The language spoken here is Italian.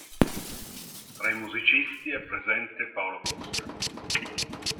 Tra i musicisti è presente Paolo Costa.